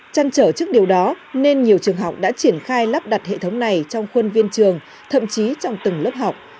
chăn trở trước điều đó nên nhiều trường học đã triển khai lắp đặt hệ thống này trong khuôn viên trường thậm chí trong từng lớp học